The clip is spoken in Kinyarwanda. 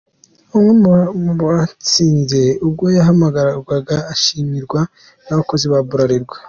Umwe mu batsinze ubwo yahamagarwaga ashimirwa nabakozi ba Bralirwa.